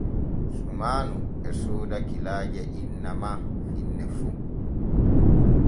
Sumaanu e sooda kilaaje inna ma finne fu.